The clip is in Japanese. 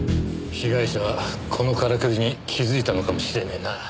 被害者はこのからくりに気づいたのかもしれねえな。